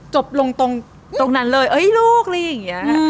จบลงตรงตรงนั้นเลยเอ้ยลูกอะไรอย่างเงี้ย